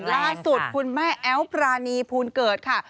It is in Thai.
ล่าสุดคุณแม่แอ๊วปรานีภูลเกิดค่ะ